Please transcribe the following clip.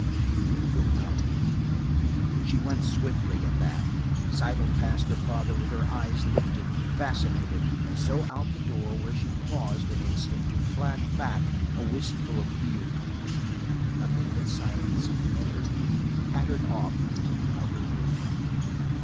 "You go out." She went swiftly, at that, sidled past her father with her eyes lifted, fascinated, and so out the door where she paused an instant to flash back a wistful appeal. Nothing but silence, and then her feet pattering off into the outer room.